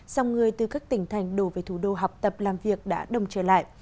dòng người từ các tỉnh thành đổ về thủ đô học tập làm việc đã đồng trở lại